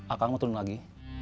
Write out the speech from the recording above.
akang mau turun lagi